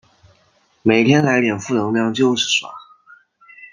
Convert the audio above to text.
每天来点负能量就是爽